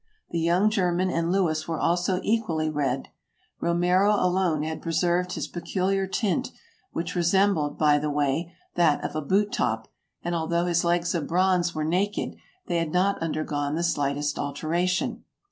The young German and Louis were also equally red ; Romero alone had preserved his peculiar tint, which resembled, by the way, that of a boot top, and although his legs of bronze were naked, they had not undergone the slightest alteration.